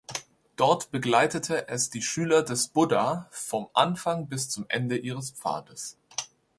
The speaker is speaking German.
Dort begleitet es die Schüler des Buddha vom Anfang bis zum Ende ihres Pfades.